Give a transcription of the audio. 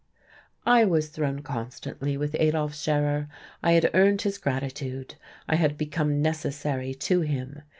I was thrown constantly with Adolf Scherer; I had earned his gratitude, I had become necessary to him.